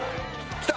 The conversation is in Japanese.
きた！